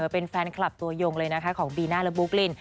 เป็นแฟนคลับตัวยงเลยนะคะของบีน่าและบุ๊กลิน